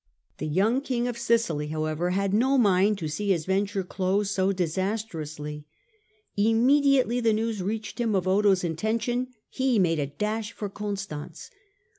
The young King of Sicily, however, had no mind to see his venture close so disas trously. Immediately the news reached him of Otho's intention he made a dash for Constance.